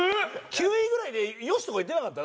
９位ぐらいで「よし！」とか言ってなかった？